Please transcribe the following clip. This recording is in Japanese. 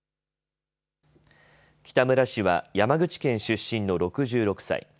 北村氏は山口県出身の６６歳。